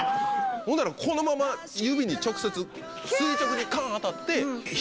ほんならこのまま指に直接垂直にカン当たって。